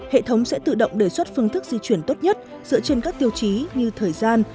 hệ thống sẽ tự động đề xuất phương thức di chuyển tốt nhất dựa trên các tiêu chí như thời gian